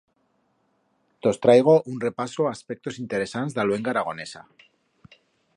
Tos traigo un repaso a aspectos interesants d'a luenga aragonesa.